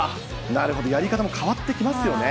なるほど、やり方も変わってきますよね。